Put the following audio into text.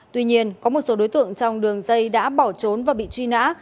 tuy nhiên có một số đối tượng trong đường dây đã bỏ trốn và bị truy nã